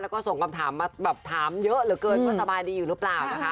และส่งคำถามมาถามเยอะเยอะเกินว่าสบายดีหรือเปล่า